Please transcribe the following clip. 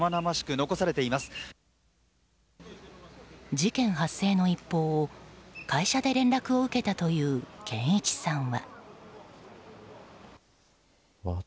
事件発生の一報を会社で連絡を受けたという憲一さんは。